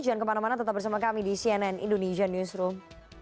jangan kemana mana tetap bersama kami di cnn indonesian newsroom